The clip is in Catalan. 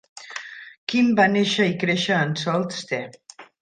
Kim va néixer i créixer en Sault Ste.